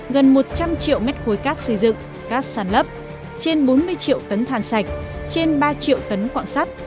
gần một trăm linh triệu mét khối cát xây dựng cát sàn lấp trên bốn mươi triệu tấn than sạch trên ba triệu tấn quạng sắt